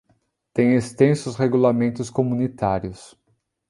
Tem extensos regulamentos comunitários.